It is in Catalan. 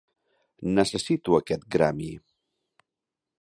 Necessito aquest Grammy.